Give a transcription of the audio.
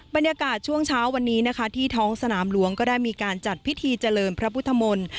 บรรยากาศช่วงเช้าวันนี้นะคะที่ท้องสนามหลวงก็ได้มีการจัดพิธีเจริญพระพุทธมนตร์